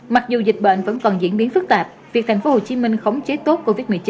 mặc dù dịch bệnh vẫn còn diễn biến phức tạp việc tp hcm khống chế tốt covid một mươi chín